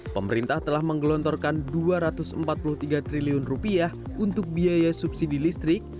pemerintah telah menggelontorkan rp dua ratus empat puluh tiga triliun untuk biaya subsidi listrik